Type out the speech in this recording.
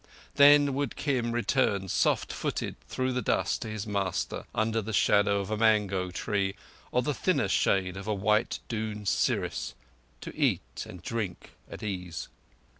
Then would Kim return soft footed through the soft dust to his master under the shadow of a mango tree or the thinner shade of a white Doon siris, to eat and drink at ease.